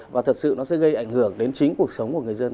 và thật sự nó sẽ gây ảnh hưởng đến chính cuộc sống của người dân